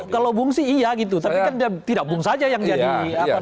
kalau bung sih iya gitu tapi kan dia tidak bung saja yang jadi apa